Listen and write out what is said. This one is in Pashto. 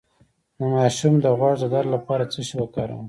د ماشوم د غوږ د درد لپاره څه شی وکاروم؟